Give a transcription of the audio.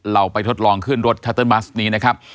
เราไปทดลองขึ้นรถชัตเติบัสนี้นะครับ